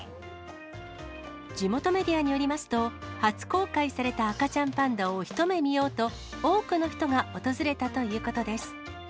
地元メディアによりますと、初公開された赤ちゃんパンダを一目見ようと、多くの人が訪れたということです。